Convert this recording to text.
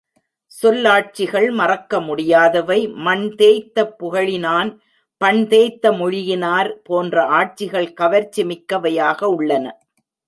சொல்லாட்சிகள் மறக்க முடியாதவை, மண் தேய்த்த புகழினான் பண் தேய்த்த மொழியினார் போன்ற ஆட்சிகள் கவர்ச்சி மிக்கவையாக உள்ளன.